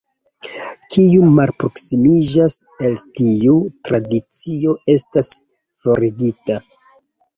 Kiu malproksimiĝas el tiu Tradicio estas forigita.